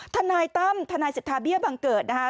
ทนายตั้มทนายสิทธาเบี้ยบังเกิดนะคะ